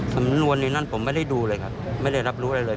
สำนวนในนั้นผมไม่ได้ดูเลยครับไม่ได้รับรู้อะไรเลย